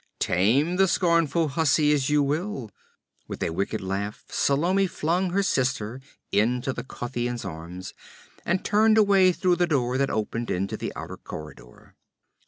Tame the scornful hussy as you will.' With a wicked laugh Salome flung her sister into the Kothian's arms, and turned away through the door that opened into the outer corridor.